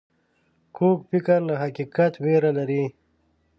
کوږ فکر له حقیقت ویره لري